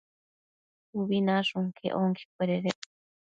Ubi nashun quec onquecuededec